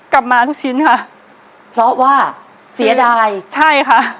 กลับมาทุกชิ้นค่ะเพราะว่าเสียดายใช่ค่ะ